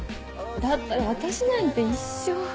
だったら私なんて一生。